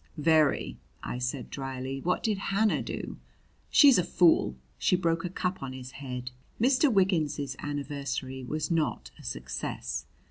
"Very!" I said dryly. "What did Hannah do?" "She's a fool! She broke a cup on his head." Mr. Wiggins's anniversary was not a success.